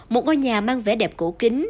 một ngôi nhà mang vẻ đẹp cổ kính